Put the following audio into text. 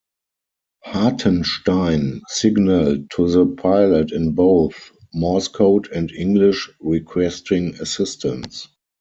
Hartenstein signalled to the pilot in both Morse code and English requesting assistance.